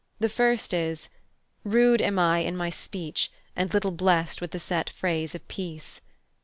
The first is: ... Rude am I in my speech, And little bless'd with the set phrase of peace.